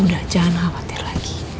udah jangan khawatir lagi